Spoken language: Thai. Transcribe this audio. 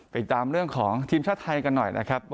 ตามเรื่องของทีมชาติไทยกันหน่อยนะครับ